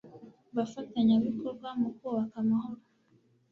bafatanyabikorwa mu kubaka amahoro